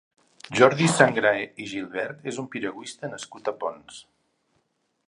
Jordi Sangrà i Gilbert és un piragüista nascut a Ponts.